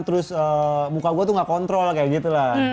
terus muka gue tuh gak kontrol kayak gitu lah